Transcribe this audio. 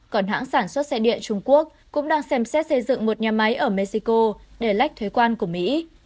còn hãng sản xuất xe điện trung quốc cũng đang xem xét xây dựng một nhà máy ở mexico để lách thuế quan của mỹ